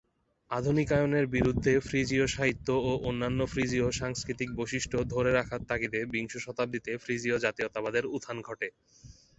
আধুনিকায়নের বিরুদ্ধে ফ্রিজীয় সাহিত্য ও অন্যান্য ফ্রিজীয় সাংস্কৃতিক বৈশিষ্ট্য ধরে রাখার তাগিদে বিংশ শতাব্দীতে ফ্রিজীয় জাতীয়তাবাদের উত্থান ঘটে।